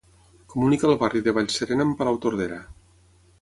comunica el barri de Vallserena amb Palautordera